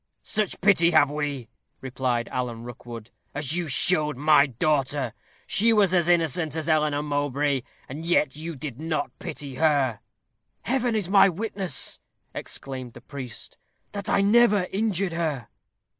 "Such pity have we," replied Alan Rookwood, "as you showed my daughter. She was as innocent as Eleanor Mowbray, and yet you did not pity her." "Heaven is my witness," exclaimed the priest, "that I never injured her."